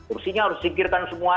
kursinya harus disingkirkan semua